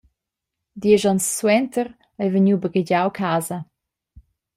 Diesch onns suenter ei vegniu baghegiau casa.